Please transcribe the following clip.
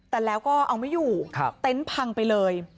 แต่แล้วก็เอาไม่อยู่เต็นต์พังไปเลย